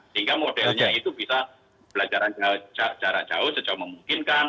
sehingga modelnya itu bisa belajar jarak jauh sejauh memungkinkan